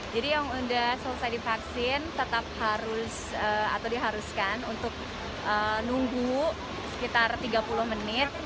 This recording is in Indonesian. jadi yang sudah selesai divaksin tetap harus atau diharuskan untuk nunggu sekitar tiga puluh menit